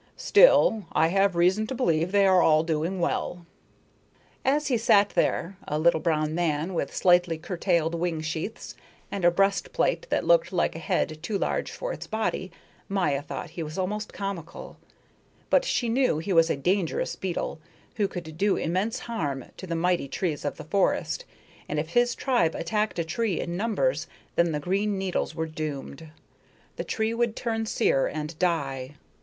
Still, I have reason to believe they are all doing well." As he sat there, a little brown man with slightly curtailed wing sheaths and a breastplate that looked like a head too large for its body, Maya thought he was almost comical; but she knew he was a dangerous beetle who could do immense harm to the mighty trees of the forest, and if his tribe attacked a tree in numbers then the green needles were doomed, the tree would turn sear and die.